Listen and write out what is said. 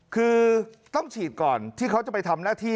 คือต้องฉีดก่อนที่เขาจะไปทำหน้าที่